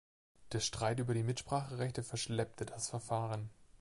Der Streit über die Mitspracherechte verschleppte das Verfahren.